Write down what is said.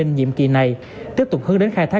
nhiệm kỳ này tiếp tục hướng đến khai thác